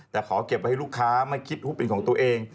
แต่ขอเก็บไว้ให้ลูกค้าไม่คิดว่าเป็นของตัวเอง